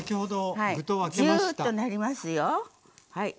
ジューッとなりますよはい。